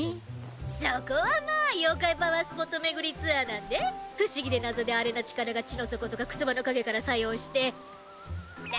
そこはまぁ妖怪パワースポット巡りツアーなんで不思議で謎でアレな力が地の底とか草葉の陰から作用して。ね？